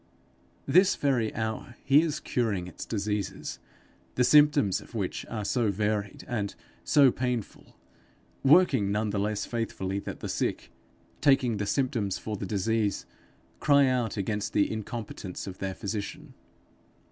This very hour he is curing its disease, the symptoms of which are so varied and so painful; working none the less faithfully that the sick, taking the symptoms for the disease, cry out against the incompetence of their physician.